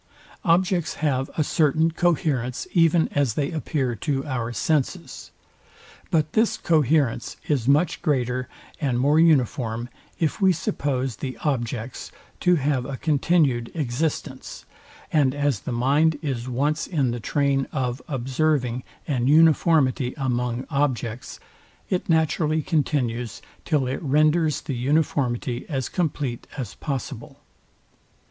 Objects have a certain coherence even as they appear to our senses; but this coherence is much greater and more uniform, if we suppose the object.% to have a continued existence; and as the mind is once in the train of observing an uniformity among objects, it naturally continues, till it renders the uniformity as compleat as possible.